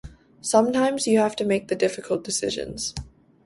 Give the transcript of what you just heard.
Sometimes you have to make the difficult decisions.